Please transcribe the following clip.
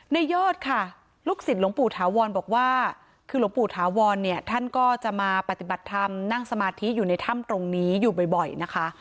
ยอดค่ะลูกศิษย์หลวงปู่ถาวรบอกว่าคือหลวงปู่ถาวรเนี่ยท่านก็จะมาปฏิบัติธรรมนั่งสมาธิอยู่ในถ้ำตรงนี้อยู่บ่อยนะคะ